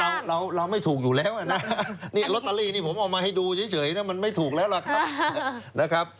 เราเราไม่ถูกอยู่แล้วอ่ะนะนี่ลอตเตอรี่นี่ผมเอามาให้ดูเฉยนะมันไม่ถูกแล้วล่ะครับนะครับ